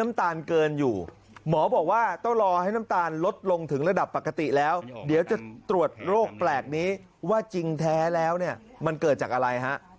มันจะออกจากผ้ามากเลย